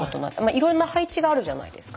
いろんな配置があるじゃないですか。